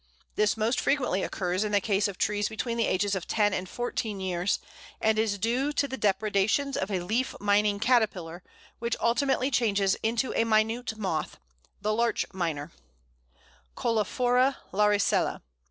This most frequently occurs in the case of trees between the ages of ten and fourteen years, and is due to the depredations of a leaf mining caterpillar, which ultimately changes into a minute moth, the Larch miner (Coleophora laricella).